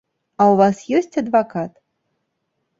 А ў вас ёсць адвакат?